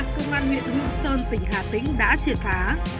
điều tra cơ quan huyện hương sơn tỉnh hà tĩnh đã triệt phá